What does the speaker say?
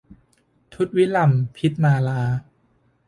ทุตวิลัมพิตมาลา